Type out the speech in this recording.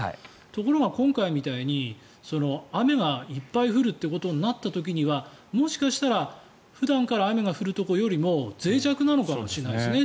ところが今回みたいに雨がいっぱい降るとなった時にはもしかしたら、普段から雨が降るところよりもぜい弱なのかもしれないですね。